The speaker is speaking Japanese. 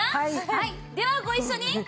はいではご一緒に！